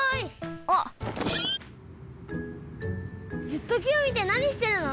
ずっときをみてなにしてるの？